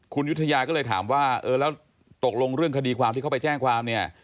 คุณยุธยาก็เลยถามว่าเออแล้วตกลงเรื่องคดีความที่เขาไปแจ้งความเนี่ย